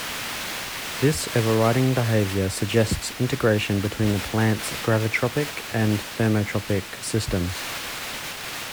This overriding behavior suggests integration between the plants' gravitropic and thermotropic systems.